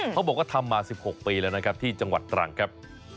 เขาบอกว่าทำมา๑๖ปีแล้วนะครับที่จังหวัดตรังครับ